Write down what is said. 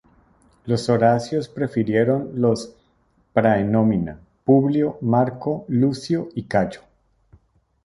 Los Horacios prefirieron los "praenomina" Publio, Marco, Lucio y Cayo.